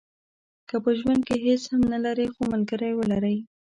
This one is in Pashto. که په ژوند کې هیڅ هم نه لرئ خو ملګری ولرئ.